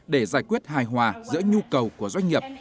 để giải quyết hài hòa giữa nhu cầu của doanh nghiệp